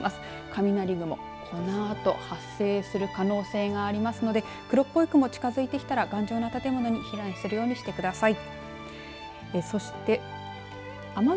雷雲、このあと発生する可能性がありますので黒っぽい雲が近づいてきたら頑丈な建物に避難するようにしてください。